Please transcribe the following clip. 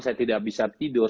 saya tidak bisa tidur